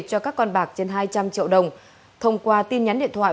cho các con bạc trên hai trăm linh triệu đồng thông qua tin nhắn điện thoại